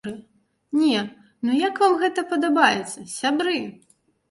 Не, ну як вам гэта падабаецца, сябры?!